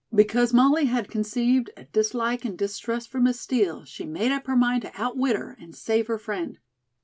Because Molly had conceived a dislike and distrust for Miss Steel, she made up her mind to outwit her and save her friend.